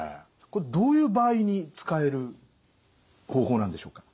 これどういう場合に使える方法なんでしょうか？